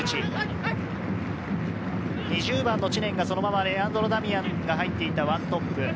２０番の知念がそのままレアンドロ・ダミアンが入っていた１トップ。